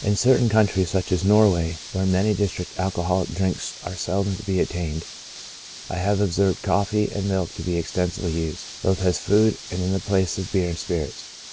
In certain coun tries, such as Norway, where in many districts alcoholic drinks are seldom to be obtained, I have observed coffee and milk to be extensively used, both as food and in the place of beer and spirits.